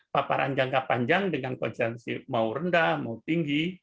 paparan jangka panjang dengan konsensi mau rendah mau tinggi